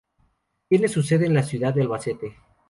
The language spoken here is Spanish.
Tiene su sede en la ciudad de Albacete.